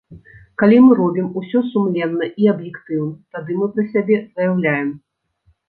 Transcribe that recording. Калі мы робім усё сумленна і аб'ектыўна, тады мы пра сябе заяўляем.